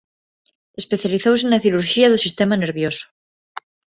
Especializouse na cirurxía do sistema nervioso.